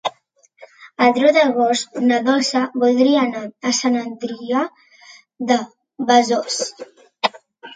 El deu d'agost na Dolça voldria anar a Sant Adrià de Besòs.